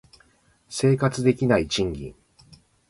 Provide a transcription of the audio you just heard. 生活できない賃金